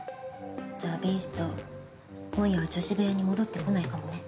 じゃあビースト今夜は女子部屋に戻ってこないかもね。